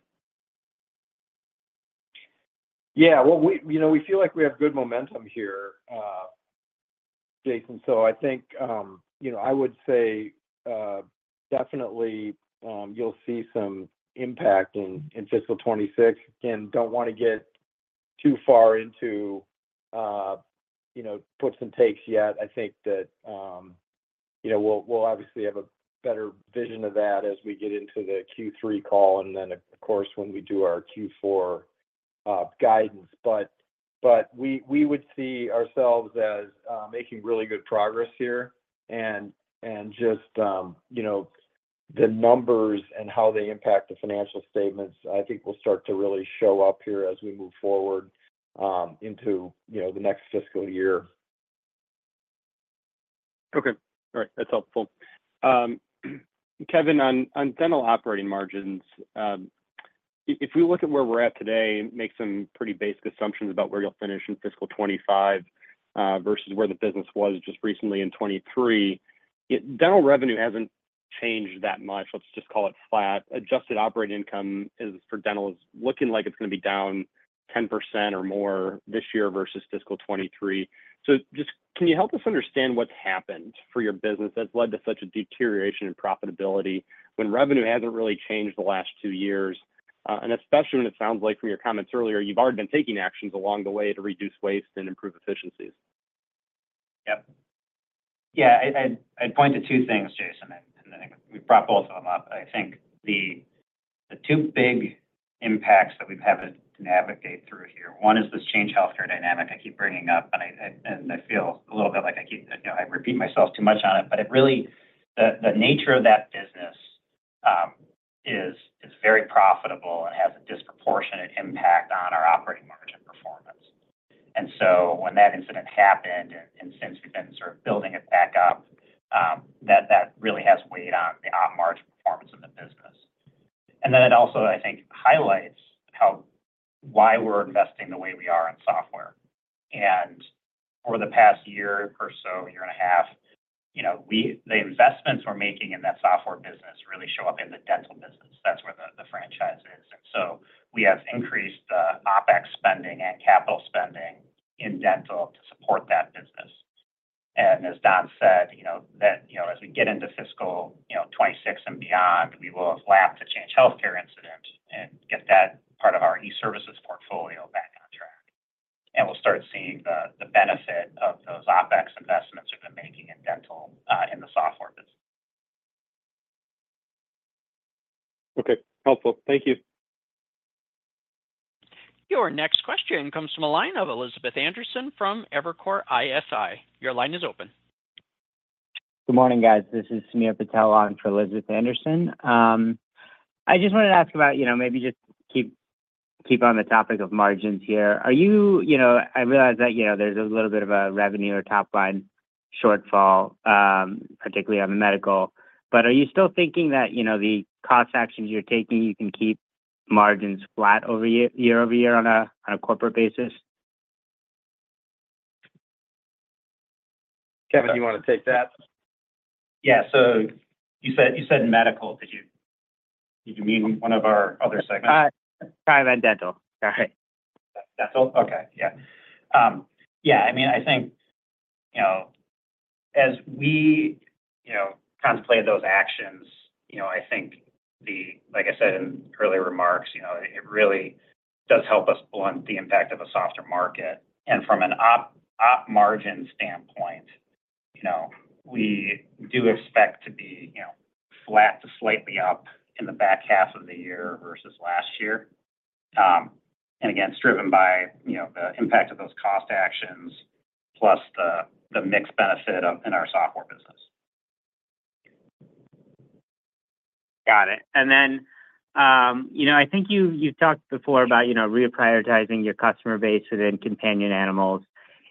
S3: Yeah. We feel like we have good momentum here, Jason. So I think I would say definitely you'll see some impact in fiscal 2026. Again, don't want to get too far into puts and takes yet. I think that we'll obviously have a better vision of that as we get into the Q3 call and then, of course, when we do our Q4 guidance. But we would see ourselves as making really good progress here. And just the numbers and how they impact the financial statements, I think will start to really show up here as we move forward into the next fiscal year. Okay. All right. That's helpful. Kevin, on dental operating margins, if we look at where we're at today and make some pretty basic assumptions about where you'll finish in fiscal 2025 versus where the business was just recently in 2023, dental revenue hasn't changed that much. Let's just call it flat. Adjusted operating income for dental is looking like it's going to be down 10% or more this year versus fiscal 2023. So just can you help us understand what's happened for your business that's led to such a deterioration in profitability when revenue hasn't really changed the last two years? And especially when it sounds like from your comments earlier, you've already been taking actions along the way to reduce waste and improve efficiencies.
S4: Yep. Yeah. I'd point to two things, Jason, and I think we brought both of them up. I think the two big impacts that we've had to navigate through here, one is this Change Healthcare dynamic I keep bringing up, and I feel a little bit like I repeat myself too much on it, but really the nature of that business is very profitable and has a disproportionate impact on our operating margin performance, and so when that incident happened and since we've been sort of building it back up, that really has weighed on the op margin performance in the business, and then it also, I think, highlights why we're investing the way we are in software, and for the past year or so, year and a half, the investments we're making in that software business really show up in the dental business. That's where the franchise is, and so we have increased the OPEX spending and capital spending in dental to support that business. As Don said, as we get into fiscal 2026 and beyond, we will have lapped the Change Healthcare incident and get that part of our e-services portfolio back on track. And we'll start seeing the benefit of those OpEx investments we've been making in dental in the software business.
S10: Okay. Helpful. Thank you.
S3: Your next question comes from a line of Elizabeth Anderson from Evercore ISI. Your line is open.
S11: Good morning, guys. This is Sameer Patel on for Elizabeth Anderson. I just wanted to ask about maybe just keep on the topic of margins here. I realize that there's a little bit of a revenue or top-line shortfall, particularly on the medical, but are you still thinking that the cost actions you're taking, you can keep margins flat year over year on a corporate basis?
S3: Kevin, do you want to take that?
S11: Yeah. So you said medical.
S4: Did you mean one of our other segments?
S11: PDS dental. Sorry.
S4: Dental. Okay. Yeah. Yeah. I mean, I think as we contemplate those actions, I think, like I said in earlier remarks, it really does help us blunt the impact of a softer market. And from an op margin standpoint, we do expect to be flat to slightly up in the back half of the year versus last year. And again, it's driven by the impact of those cost actions plus the mixed benefit in our software business.
S11: Got it. And then I think you've talked before about reprioritizing your customer base within companion animals.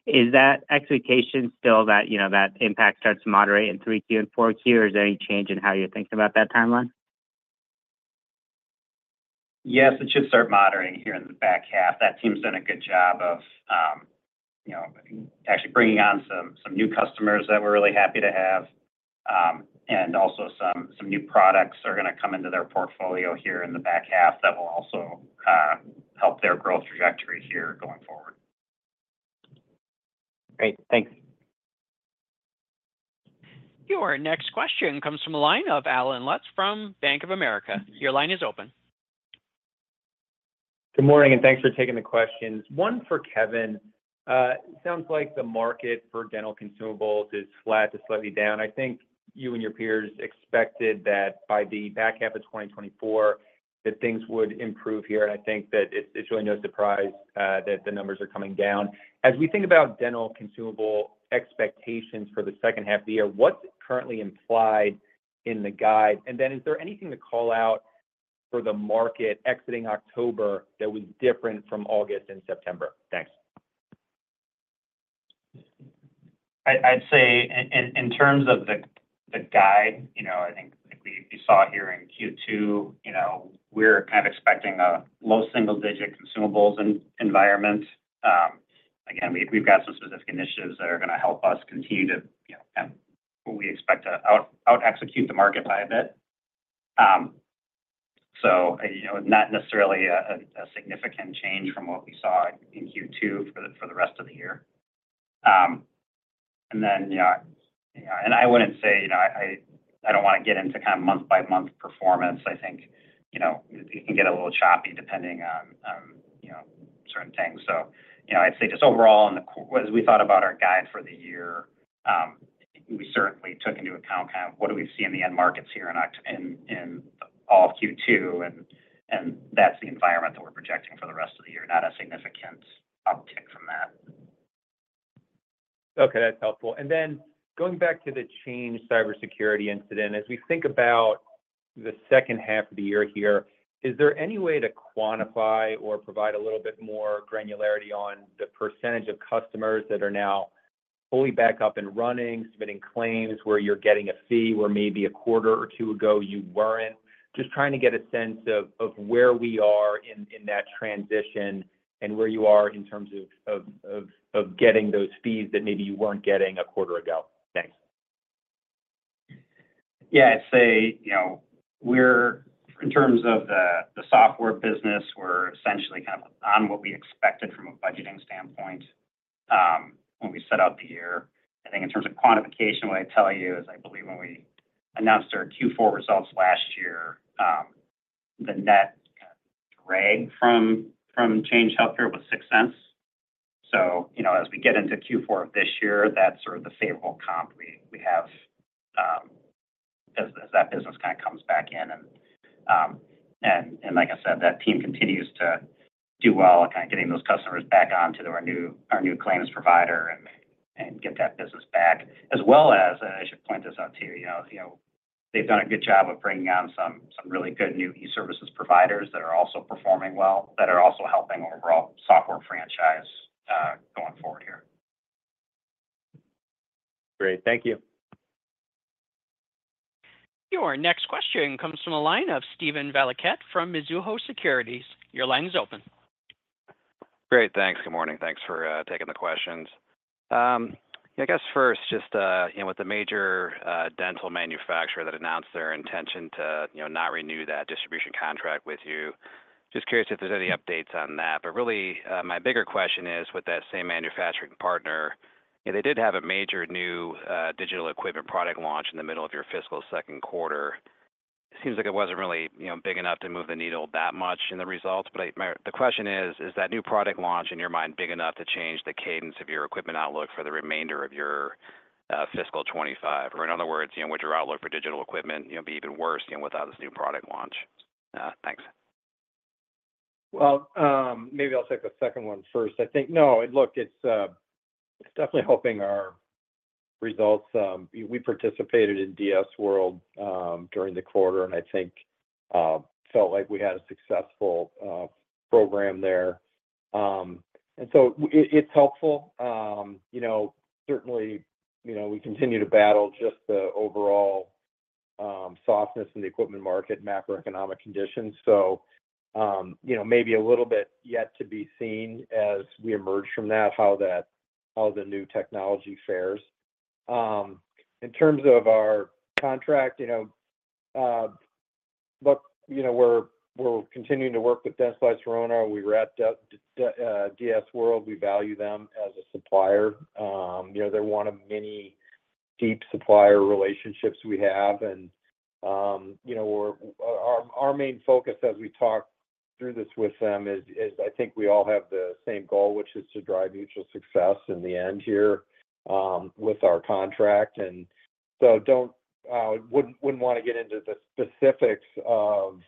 S11: Is that expectation still that that impact starts to moderate in 3Q and 4Q? Is there any change in how you're thinking about that timeline?
S4: Yes. It should start moderating here in the back half.
S3: That team's done a good job of actually bringing on some new customers that we're really happy to have. And also some new products are going to come into their portfolio here in the back half that will also help their growth trajectory here going forward.
S11: Great. Thanks.
S1: Your next question comes from a line of Allen Lutz from Bank of America. Your line is open.
S12: Good morning, and thanks for taking the questions. One for Kevin. It sounds like the market for dental consumables is flat to slightly down. I think you and your peers expected that by the back half of 2024, that things would improve here. And I think that it's really no surprise that the numbers are coming down. As we think about dental consumable expectations for the second half of the year, what's currently implied in the guide? And then, is there anything to call out for the market exiting October that was different from August and September? Thanks.
S4: I'd say in terms of the guide, I think we saw here in Q2. We're kind of expecting a low single-digit consumables environment. Again, we've got some specific initiatives that are going to help us continue to kind of, we expect to out-execute the market by a bit. So not necessarily a significant change from what we saw in Q2 for the rest of the year. And then I wouldn't say I don't want to get into kind of month-by-month performance. I think it can get a little choppy depending on certain things. So I'd say just overall, as we thought about our guide for the year, we certainly took into account kind of what do we see in the end markets here in all of Q2, and that's the environment that we're projecting for the rest of the year. Not a significant uptick from that.
S12: Okay. That's helpful. And then going back to the Change Healthcare cybersecurity incident, as we think about the second half of the year here, is there any way to quantify or provide a little bit more granularity on the percentage of customers that are now fully back up and running, submitting claims where you're getting a fee where maybe a quarter or two ago you weren't? Just trying to get a sense of where we are in that transition and where you are in terms of getting those fees that maybe you weren't getting a quarter ago. Thanks.
S4: Yeah. I'd say in terms of the software business, we're essentially kind of on what we expected from a budgeting standpoint when we set out the year. I think in terms of quantification, what I tell you is I believe when we announced our Q4 results last year, the net drag from Change Healthcare was $0.06. So as we get into Q4 of this year, that's sort of the favorable comp we have as that business kind of comes back in. And like I said, that team continues to do well at kind of getting those customers back onto our new claims provider and get that business back. As well as, and I should point this out to you, they've done a good job of bringing on some really good new e-services providers that are also performing well, that are also helping overall software franchise going forward here.
S12: Great. Thank you.
S1: Your next question comes from a line of Steven Valiquette from Mizuho Securities. Your line is open.
S13: Great. Thanks. Good morning. Thanks for taking the questions. I guess first, just with the major dental manufacturer that announced their intention to not renew that distribution contract with you, just curious if there's any updates on that. But really, my bigger question is with that same manufacturing partner, they did have a major new digital equipment product launch in the middle of your fiscal second quarter. It seems like it wasn't really big enough to move the needle that much in the results. But the question is, is that new product launch, in your mind, big enough to change the cadence of your equipment outlook for the remainder of your fiscal 2025? Or in other words, would your outlook for digital equipment be even worse without this new product launch?
S3: Thanks. Well, maybe I'll take the second one first. I think, no, look, it's definitely helping our results. We participated in DS World during the quarter, and I think felt like we had a successful program there. And so it's helpful. Certainly, we continue to battle just the overall softness in the equipment market, macroeconomic conditions. So maybe a little bit yet to be seen as we emerge from that, how the new technology fares. In terms of our contract, look, we're continuing to work with Dentsply Sirona. We wrapped up DS World. We value them as a supplier. They're one of many deep supplier relationships we have. And our main focus as we talk through this with them is I think we all have the same goal, which is to drive mutual success in the end here with our contract. And so I wouldn't want to get into the specifics of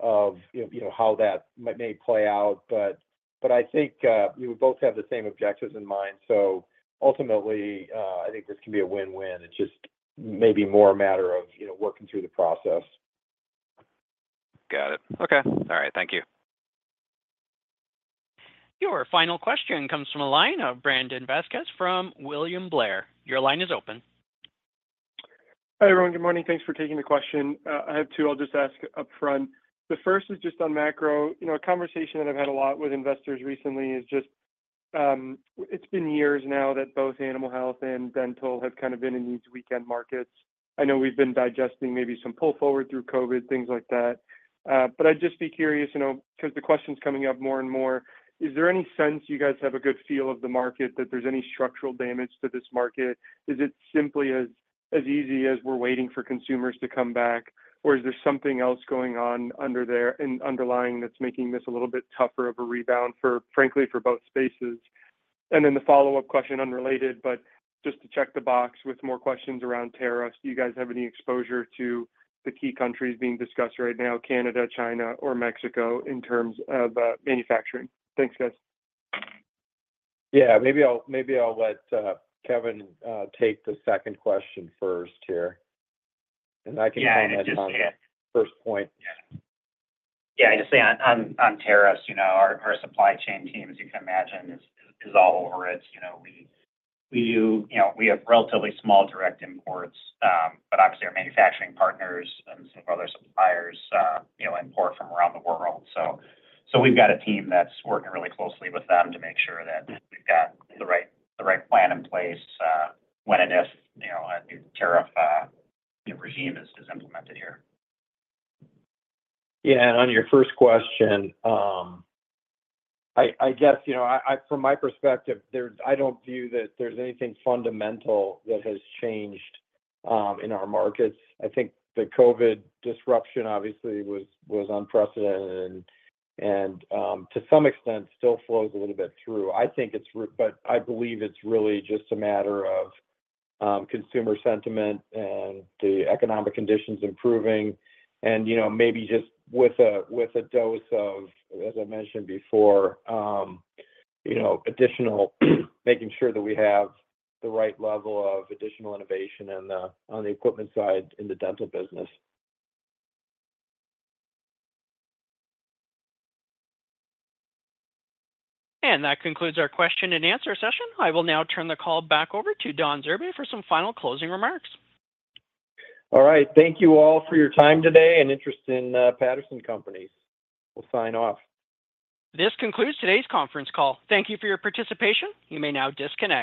S3: how that may play out, but I think we both have the same objectives in mind. So ultimately, I think this can be a win-win. It's just maybe more a matter of working through the process.
S13: Got it. Okay. All right. Thank you.
S1: Your final question comes from a line of Brandon Vazquez from William Blair. Your line is open.
S14: Hi everyone. Good morning. Thanks for taking the question. I have two. I'll just ask upfront. The first is just on macro. A conversation that I've had a lot with investors recently is just it's been years now that both animal health and dental have kind of been in these weak end markets. I know we've been digesting maybe some pull forward through COVID, things like that. But I'd just be curious because the question's coming up more and more. Is there any sense you guys have a good feel of the market, that there's any structural damage to this market? Is it simply as easy as we're waiting for consumers to come back, or is there something else going on underlying that's making this a little bit tougher of a rebound, frankly, for both spaces? And then the follow-up question, unrelated, but just to check the box with more questions around tariffs. Do you guys have any exposure to the key countries being discussed right now, Canada, China, or Mexico in terms of manufacturing? Thanks, guys.
S3: Yeah. Maybe I'll let Kevin take the second question first here. And I can comment on the first point.
S4: Yeah. I just say on tariffs, our supply chain teams, you can imagine, is all over it. We have relatively small direct imports, but obviously our manufacturing partners and some of our other suppliers import from around the world. So we've got a team that's working really closely with them to make sure that we've got the right plan in place when and if a new tariff regime is implemented here.
S3: Yeah, and on your first question, I guess from my perspective, I don't view that there's anything fundamental that has changed in our markets. I think the COVID disruption, obviously, was unprecedented and to some extent still flows a little bit through. I think it's rooted, but I believe it's really just a matter of consumer sentiment and the economic conditions improving. And maybe just with a dose of, as I mentioned before, additional making sure that we have the right level of additional innovation on the equipment side in the dental business.
S1: That concludes our question and answer session. I will now turn the call back over to Don Zurbay for some final closing remarks.
S3: All right. Thank you all for your time today and interest in Patterson Companies. We'll sign off. This concludes today's conference call.
S1: Thank you for your participation. You may now disconnect.